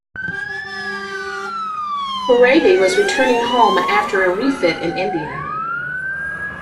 "Huravee" was returning home after a refit in India.